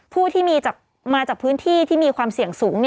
ผู้ที่มาจากพื้นที่ที่มีความเสี่ยงสูง